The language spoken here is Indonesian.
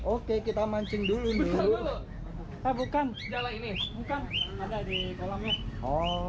oke kita mancing dulu nih